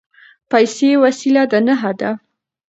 پیسې وسیله ده نه هدف.